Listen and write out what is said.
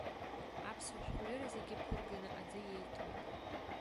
Аԥсуа шәҟәҩыра зегьы ԥырганы аӡы иеиҭоит.